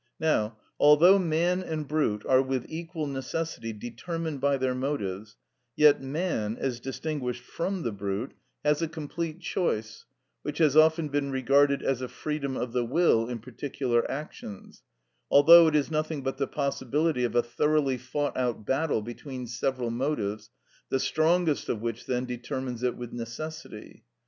Now, although man and brute are with equal necessity determined by their motives, yet man, as distinguished from the brute, has a complete choice, which has often been regarded as a freedom of the will in particular actions, although it is nothing but the possibility of a thoroughly fought out battle between several motives, the strongest of which then determines it with necessity.